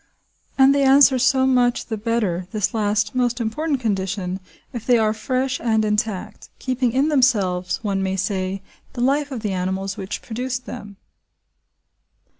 And they answer so much the better this last most important condition if they are fresh and intact, keeping in themselves, one may say, the life of the animals which produced them.